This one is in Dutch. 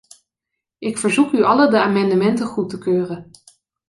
Ik verzoek u allen de amendementen goed te keuren.